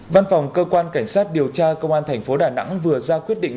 văn phòng cơ quan cảnh sát điều tra công an tp đà nẵng vừa ra quyết định